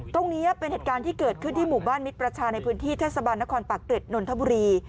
ตรงนี้เป็นเหตุการณ์ที่เกิดขึ้นที่หมู่บ้านมิตรประชาในพื้นที่เทศบาลนครปากเกร็ดนนทบุรี